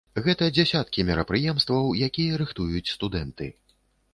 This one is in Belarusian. Гэта дзясяткі мерапрыемстваў, якія рыхтуюць студэнты.